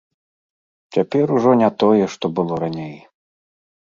Цяпер ужо не тое, што было раней.